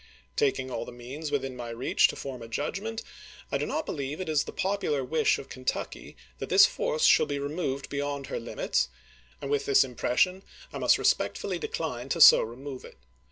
Taking all the means within my reach to form a judg ment, I do not believe it is the popidar wish of Kentucky that this force shall be removed beyond her limits, and with this impression I must respectfully decline to so remove it.